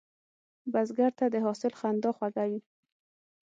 بزګر ته د حاصل خندا خوږه وي